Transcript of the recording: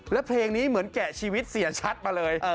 แล้วเพลงนี้เหมือนแกะชีวิตเสียชัดมาเลย